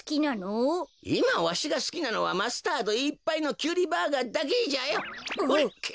いまわしがすきなのはマスタードいっぱいのキュウリバーガーだけじゃよ！